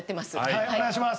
はいお願いします。